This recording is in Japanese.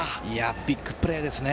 ビッグプレーですね。